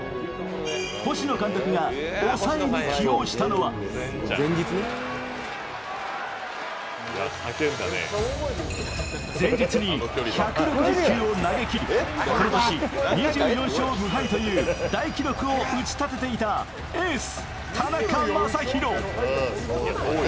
星野監督が抑えに起用したのは前日に１６０球を投げきりこの年、２４勝無敗という大記録を打ち立てていたエース・田中将大。